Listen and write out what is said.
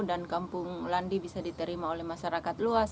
kampung landi bisa diterima oleh masyarakat luas